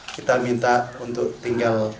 kita minta untuk tinggal